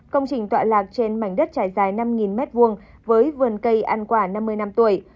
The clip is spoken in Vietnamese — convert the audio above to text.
công trình tọa lạc trên mảnh đất trải dài năm m hai với vườn cây ăn quả năm mươi năm tuổi